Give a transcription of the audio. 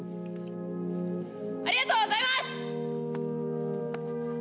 ありがとうございます。